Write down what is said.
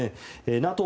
ＮＡＴＯ